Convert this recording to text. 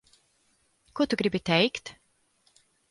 Ko tu gribi teikt?